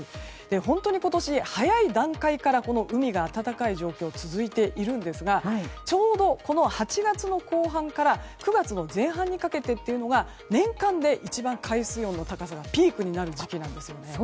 本当に今年、早い段階から海が暖かい状況続いているんですがちょうど８月の後半から９月の前半にかけてというのが年間で一番海水温の高さがピークになる時期なんです。